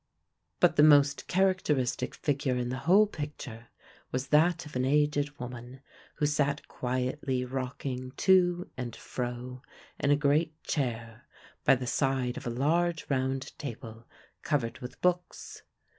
But the most characteristic figure in the whole picture was that of an aged woman, who sat quietly rocking to and fro in a great chair by the side of a large round table covered with books.